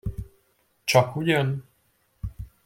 Csakugyan?